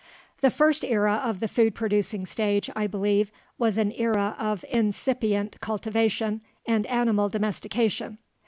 The first era of the food producing stage, I believe, was an era of incipient cultivation and animal domestication.